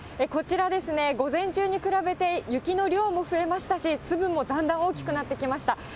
こちらですね、午前中に比べて雪の量も増えましたし、粒もだんだん大きくなってきました。